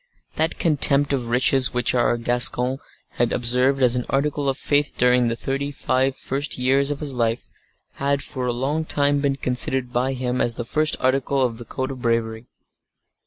That contempt of riches which our Gascon had observed as an article of faith during the thirty five first years of his life, had for a long time been considered by him as the first article of the code of bravery.